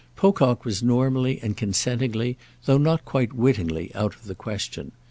Pocock was normally and consentingly though not quite wittingly out of the question.